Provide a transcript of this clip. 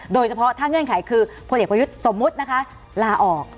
โดยเฉพาะถ้าเงื่อนไขคือพลเอกประยุทธ์สมมุตินะคะลาออก